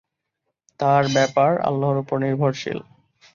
তার ব্যাপার আল্লাহর উপর নির্ভরশীল।